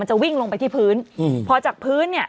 จะวิ่งลงไปที่พื้นอืมพอจากพื้นเนี่ย